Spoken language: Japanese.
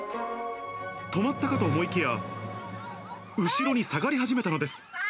止まったかと思いきや、後ろに下がり始めたのです。